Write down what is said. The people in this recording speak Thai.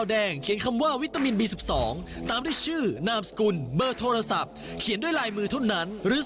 แต่ก่อนจะไปลุ้นรางวัลผมเชื่อว่าคุณผู้ชมก็อยากจะรู้